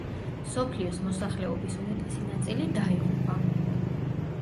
მსოფლიოს მოსახლეობის უმეტესი ნაწილი დაიღუპა.